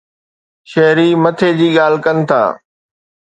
شهري مٿي جي ڳالهه ڪن ٿا.